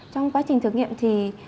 trong quá trình thử nghiệm thì